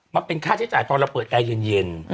มาเป็นค่าใช้จ่ายเวลาเราเปิดไอเย็น